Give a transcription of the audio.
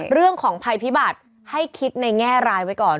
เรื่องของภัยพิบัติให้คิดในแง่รายไว้ก่อน